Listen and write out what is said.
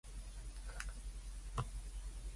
三九唔識七